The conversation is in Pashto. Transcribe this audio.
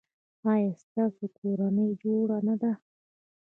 ایا ستاسو کورنۍ جوړه نه ده؟